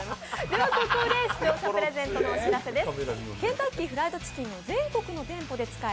ではここで視聴者プレゼントのお知らせです。